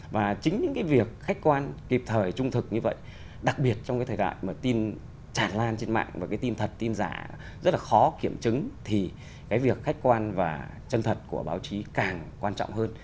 và chính những cái việc khách quan kịp thời trung thực như vậy đặc biệt trong cái thời đại mà tin tràn lan trên mạng và cái tin thật tin giả rất là khó kiểm chứng thì cái việc khách quan và chân thật của báo chí càng quan trọng hơn